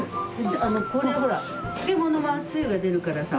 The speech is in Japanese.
これほら漬物のつゆが出るからさ。